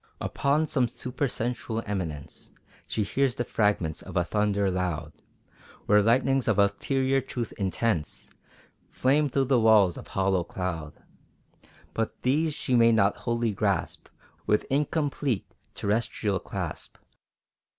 Upon some supersensual eminence She hears the fragments of a thunder loud, Where lightnings of ulterior Truth intense Flame through the walls of hollow cloud. But these she may not wholly grasp With incomplete terrestrial clasp.